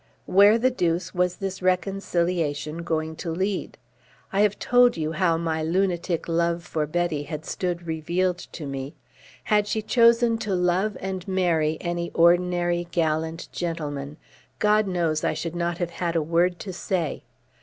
Where the deuce was this reconciliation going to lead? I have told you how my lunatic love for Betty had stood revealed to me. Had she chosen to love and marry any ordinary gallant gentleman, God knows I should not have had a word to say.